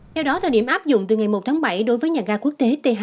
theo đó thời điểm áp dụng từ ngày một tháng bảy đối với nhà ga quốc tế t hai